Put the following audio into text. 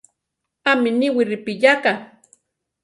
¿Ámi niwi ripiyáka?